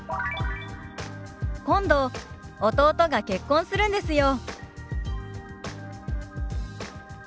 「今度弟が結婚するんですよ」。